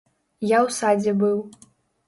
Я ў садзе быў.